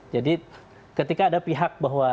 jadi ketika ada pihak bahwa